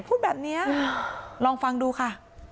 พูดแบบนี้ลองฟังดูค่ะ